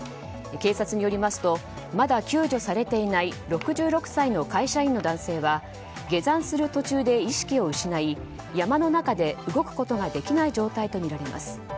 警察によりますとまだ救助されていない６６歳の会社員の男性は下山する途中で意識を失い山の中で動くことができない状態とみられます。